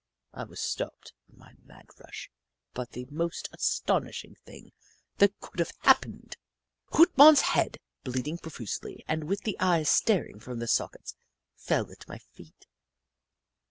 I was stopped in my mad rush by the most astound ing thing that could have happened. Hoot Mon's head, bleeding profusely, and with the eyes staring from their sockets, fell at my feet.